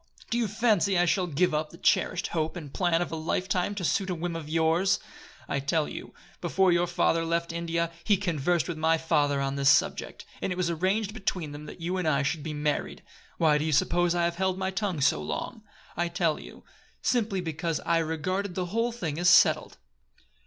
Do you fancy I shall give up the cherished hope and plan of a lifetime to suit a whim of yours? I tell you, before your father left India he conversed with my father on this subject, and it was arranged between them that you and I should be married. Why do you suppose I have held my tongue so long? I'll tell you. Simply because I regarded the whole thing as settled."